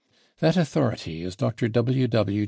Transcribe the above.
That authority is Dr. W. W.